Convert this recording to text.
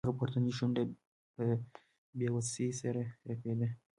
د هغه پورتنۍ شونډه په بې وسۍ سره رپیده